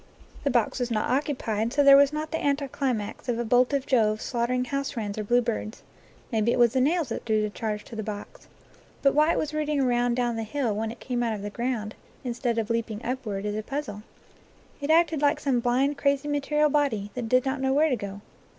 The box was not occupied, so there was not the anticlimax of a bolt of Jove slaughtering house wrens or bluebirds. Maybe it was the nails that drew the charge to the box. But 16 NATURE LORE why it was rooting around down the hill when it came out of the ground, instead of leaping upward, is a puzzle. It acted like some blind, crazy material body that did not know where to go.